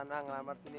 yang punya tv be